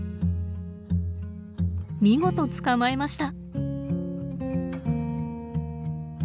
見事捕まえました。